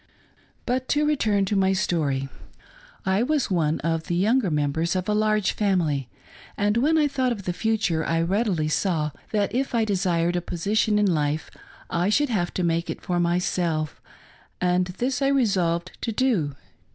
But to return to my story. I was one of the younger mem bers of a large family ; and when I thought of the future I , readily saw. that if I desired a position in life I should have to make it for myself ; and this I resolved to do.